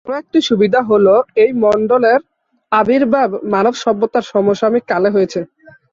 আরও একটি সুবিধা হল এই মণ্ডলের আবির্ভাব মানব সভ্যতার সমসাময়িক কালে হয়েছে।